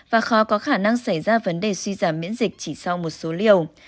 và khó có khả năng xảy ra vấn đề suy giảm miễn dịch chỉ sau một số liều